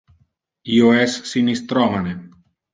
Io es sinistromane.